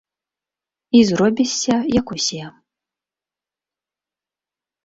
І зробішся як усе.